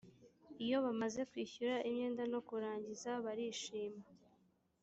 iyo bamaze kwishyura imyenda no kurangiza barishima